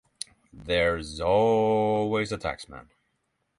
There's always a taxman.